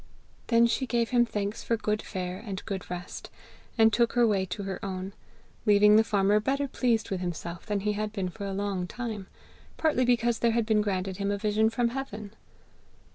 Then she gave him thanks for good fare and good rest, and took her way to her own, leaving the farmer better pleased with himself than he had been for a long time, partly because there had been granted him a vision from heaven.